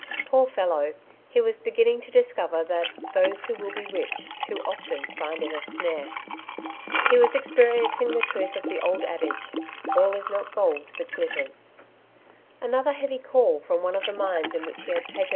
Poor fellow, he was beginning to discover that ^^ those who will be lich ^' too often find it a '' snare/' He was expe riencing the truth of the old adage, '^ AU is not gold that glitters/' Another heavy '^ call " from one of the mines in which he had taken